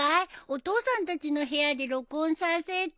お父さんたちの部屋で録音させて。